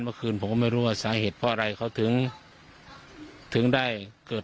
เมื่อคืนผมก็ไม่รู้ว่าสาเหตุเพราะอะไรเขาถึงถึงได้เกิด